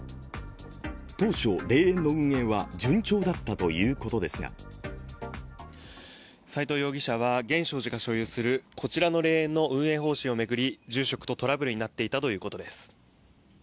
当初、霊園の運営は順調だったということですが斉藤容疑者は源証寺が所有するこちらの霊園の運営方針を巡り、住職とトラブルになっていたということです。